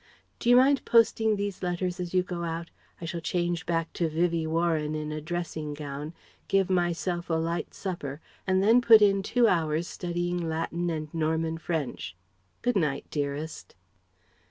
"D'you mind posting these letters as you go out? I shall change back to Vivie Warren in a dressing gown, give myself a light supper, and then put in two hours studying Latin and Norman French. Good night, dearest!"